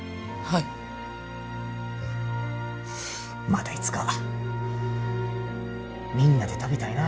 またいつかみんなで食べたいな。